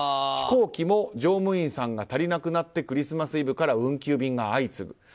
飛行機も乗務員さんが足りなくなってクリスマスイブから運休便が相次ぐ。